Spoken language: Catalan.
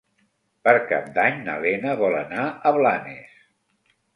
Per Cap d'Any na Lena vol anar a Blanes.